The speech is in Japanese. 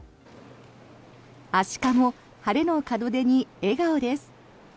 アシカも晴れの門出に笑顔です。